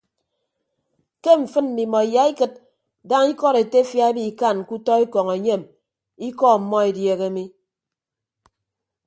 Ke mfịn mmimọ iyaikịd daña ikọd etefia ebikan ke utọ ekọñ enyem ikọ ọmmọ edieehe mi.